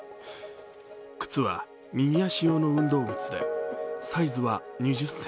靴は右足用の運動靴で、サイズは２０ｃｍ。